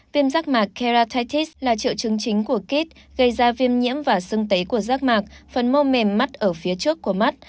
viêm rác mạc kerratatis là triệu chứng chính của kit gây ra viêm nhiễm và sưng tấy của rác mạc phần mô mềm mắt ở phía trước của mắt